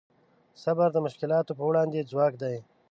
صبر د مشکلاتو په وړاندې ځواک دی.